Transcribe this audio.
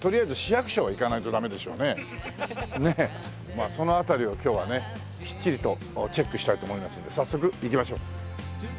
まあその辺りを今日はねきっちりとチェックしたいと思いますんで早速行きましょう。